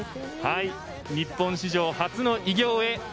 日本史上初の偉業へ。